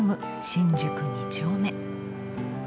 新宿二丁目］